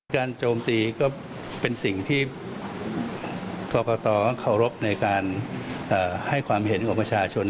โจมตีก็เป็นสิ่งที่กรกตต้องเคารพในการให้ความเห็นของประชาชน